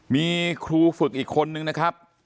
มีครูฝึกอีกคนนึงนะครับ